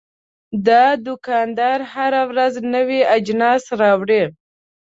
دا دوکاندار هره ورځ نوي اجناس راوړي.